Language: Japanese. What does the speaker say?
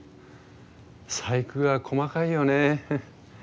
細工が細かいよね。